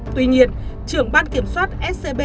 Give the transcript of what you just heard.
tuy nhiên trưởng ban kiểm soát scb